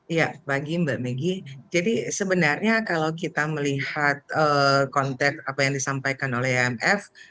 iya pagi mbak megi jadi sebenarnya kalau kita melihat konteks apa yang disampaikan oleh imf